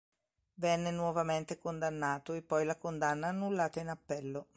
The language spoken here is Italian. Venne nuovamente condannato e poi la condanna annullata in appello.